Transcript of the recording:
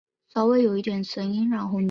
隐棘真缘吸虫为棘口科真缘属的动物。